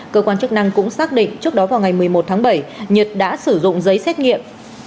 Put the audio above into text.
cơ quan chức năng cũng xác định trước đó vào ngày một mươi một tháng bảy nhật đã sử dụng giấy xét nghiệm